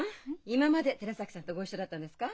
今まで寺崎さんとご一緒だったんですか？